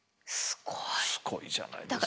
すごいじゃないですか。